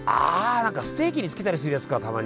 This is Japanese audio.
何かステーキにつけたりするやつかたまに。